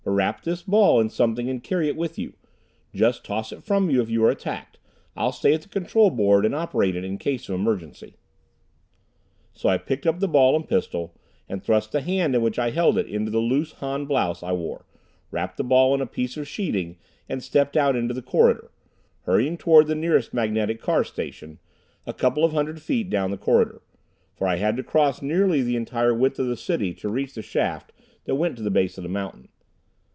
But wrap this ball in something and carry it with you. Just toss it from you if you are attacked. I'll stay at the control board and operate it in case of emergency." So I picked up ball and pistol, and thrust the hand in which I held it into the loose Han blouse I wore, wrapped the ball in a piece of sheeting, and stepped out in the corridor, hurrying toward the nearest magnetic car station, a couple of hundred feet down the corridor, for I had to cross nearly the entire width of the city to reach the shaft that went to the base of the mountain.